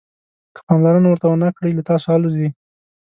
که پاملرنه ورته ونه کړئ له تاسو الوزي.